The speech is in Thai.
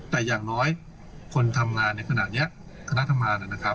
แต่อย่างน้อยคนทำงานในขณะนี้คณะทำงานนะครับ